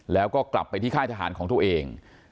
แล้วก็กลับไปที่ค่ายทหารของตัวเอง